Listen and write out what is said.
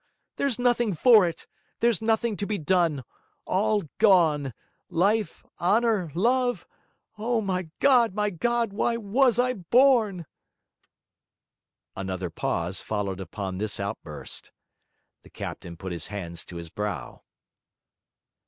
There's nothing for it, there's nothing to be done: all gone: life, honour, love. Oh, my God, my God, why was I born?' Another pause followed upon this outburst. The captain put his hands to his brow.